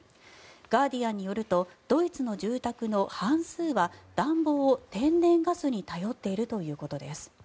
ガーディアンによるとドイツの住宅の半数は暖房を天然ガスに頼っているということです。